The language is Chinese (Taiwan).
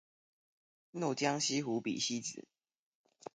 若將西湖比西子